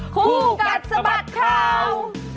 คู่กัดสะบัดข่าว